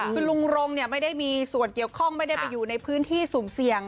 คือลุงรงไม่ได้มีส่วนเกี่ยวข้องไม่ได้ไปอยู่ในพื้นที่สุ่มเสี่ยง